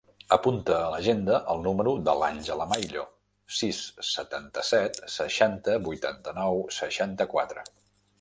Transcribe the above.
Apunta a l'agenda el número de l'Àngela Maillo: sis, setanta-set, seixanta, vuitanta-nou, seixanta-quatre.